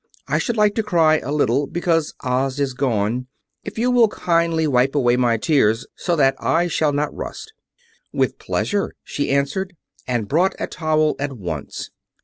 I should like to cry a little because Oz is gone, if you will kindly wipe away my tears, so that I shall not rust." "With pleasure," she answered, and brought a towel at once.